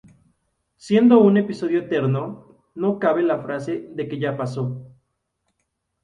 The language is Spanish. Siendo un episodio eterno, no cabe la frase de que ya pasó.